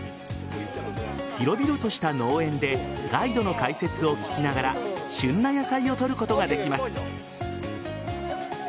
広々とした農園でガイドの解説を聞きながら旬な野菜を採ることができます。